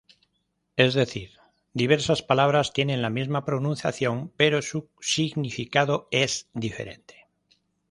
Es decir, diversas palabras tienen la misma pronunciación pero su significado es diferente.